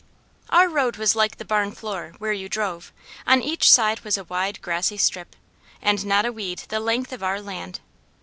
Our road was like the barn floor, where you drove: on each side was a wide grassy strip, and not a weed the length of our land.